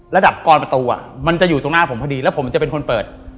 ระดับกรประตูมันจะอยู่ตรงหน้าผมพอดีแล้วผมจะเป็นคนเปิด